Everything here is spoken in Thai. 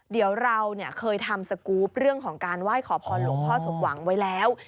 เดี๋ยวเราเคยทำสกรูปเรื่องของการไหว้ขอพรหลวงพ่อสมหวังไว้แล้ว